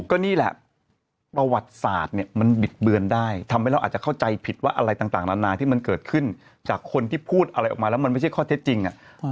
ก็นี่แหละประวัติศาสตร์เนี่ยมันบิดเบือนได้ทำให้เราอาจจะเข้าใจผิดว่าอะไรต่างนานาที่มันเกิดขึ้นจากคนที่พูดอะไรออกมาแล้วมันไม่ใช่ข้อเท็จจริง